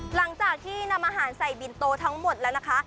หลังจากที่นำอาหารใส่บินโตทั้งหมดแล้วนะคะ